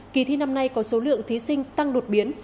kỳ thi năm nay có số lượng thí sinh tăng đột biến